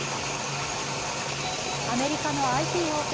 アメリカのＩＴ王手